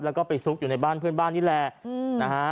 แล้วก็ไปซุกอยู่ในบ้านเพื่อนบ้านนี่แหละนะฮะ